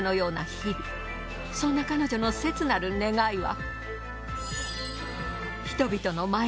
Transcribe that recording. そんな彼女の切なる願いは。